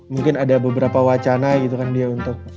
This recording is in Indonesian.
mungkin ada beberapa wacana gitu kan dia untuk